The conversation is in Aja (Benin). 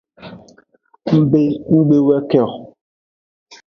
Ngbe gbe we ke o.